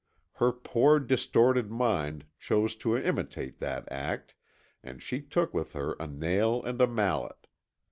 Her poor, distorted mind chose to imitate that act, and she took with her a nail and a mallet.